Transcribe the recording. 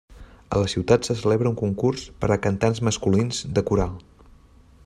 A la ciutat se celebra un concurs per a cantants masculins de coral.